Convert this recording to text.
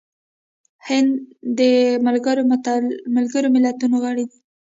هند د ملګرو ملتونو غړی دی.